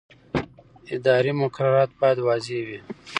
اداري مقررات باید واضح وي.